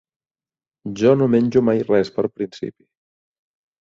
Jo no menjo mai res per principi.